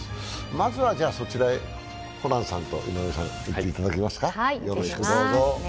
まずはそちらへホランさんと井上さん、行っていただけますか。